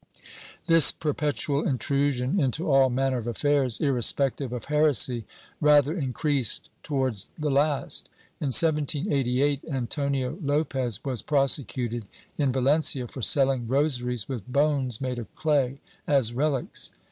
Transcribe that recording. This perpetual intrusion into all manner of affairs, irrespective of heresy rather increased toAvards the last. In 1788, Antonio Lopez was prosecuted in Valencia for selling rosaries with bones made of clay as rehcs.